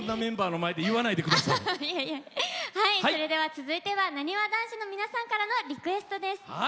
続いては、なにわ男子の皆さんのリクエストです。